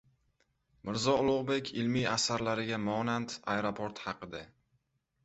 Mirzo Ulug‘bek ilmiy asarlariga monand aeroport haqida